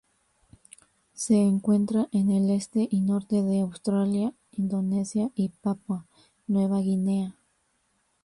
Se encuentra en el este y norte de Australia, Indonesia y Papúa Nueva Guinea.